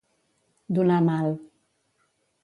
Donar mal.